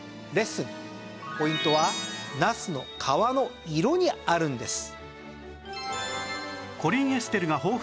ポイントはナスの皮の色にあるんです。